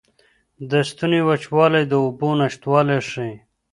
د ستوني وچوالی د اوبو نشتوالی ښيي.